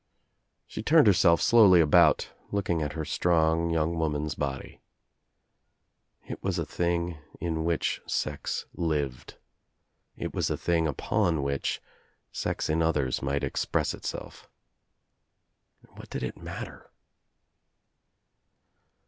She turned herself slowly about, looking at her strong young woman's body. It was a thing in which sex lived. It was a thing upon which sex in others might express itself. What did it matter?